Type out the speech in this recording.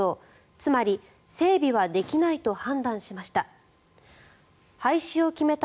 つまり整備はできないと判断しました。